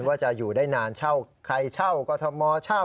ว่าจะอยู่ได้นานเช่าใครเช่ากรทมเช่า